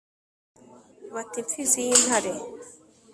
Bati: Imfizi y'intare